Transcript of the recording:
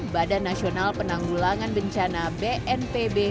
badan nasional penanggulangan bencana bnpb